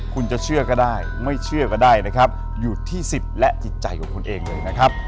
คุณจะเชื่อก็ได้ไม่เชื่อก็ได้นะครับอยู่ที่สิทธิ์และจิตใจของคุณเองเลยนะครับ